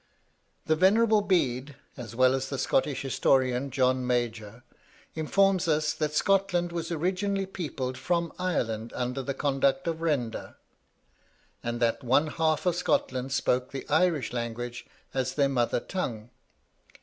"The Venerable Bede, as well as the Scotch historian John Major, informs us that Scotland was originally peopled from Ireland under the conduct of Renda, and that one half of Scotland spoke the Irish language as their mother tongue.